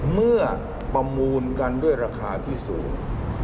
เมื่อประมูลกันด้วยราคาที่สูง